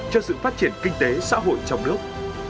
cho sự phát triển kinh tế xã hội trong nước